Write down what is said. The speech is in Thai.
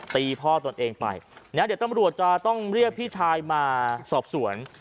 ตีพ่อตนเองไปนะเดี๋ยวตำรวจจะต้องเรียกพี่ชายมาสอบสวน